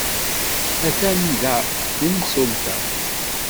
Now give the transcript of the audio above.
Attan da temsulta.